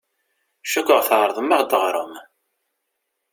Cukkeɣ tɛerḍem ad ɣ-d-teɣṛem.